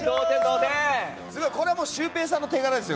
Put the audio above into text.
これはシュウペイさんの手柄ですよ。